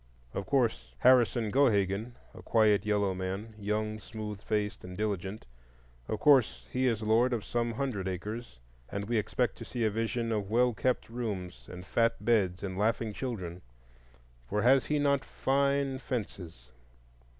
Of course Harrison Gohagen,—a quiet yellow man, young, smooth faced, and diligent,—of course he is lord of some hundred acres, and we expect to see a vision of well kept rooms and fat beds and laughing children. For has he not fine fences?